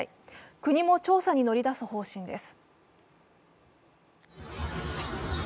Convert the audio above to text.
国も調査に乗り出す方針です。